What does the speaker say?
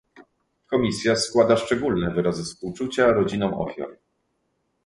Komisja składa szczególne wyrazy współczucia rodzinom ofiar